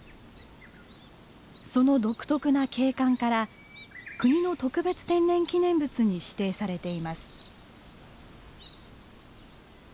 その独特な景観から国の特別天然記念物に指定されています。